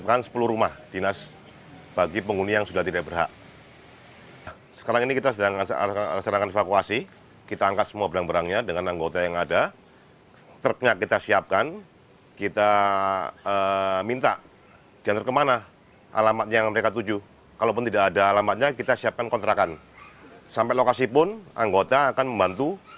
alhamdulillah semua kondusif kaitan dengan pagi ini kodam jaya melaksanakan penertiban